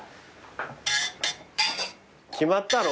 決まったの？